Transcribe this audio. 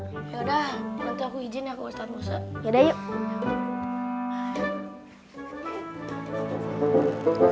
ya udah nanti aku izin ya ke ustadz musa